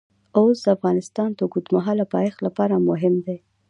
اوښ د افغانستان د اوږدمهاله پایښت لپاره مهم دی.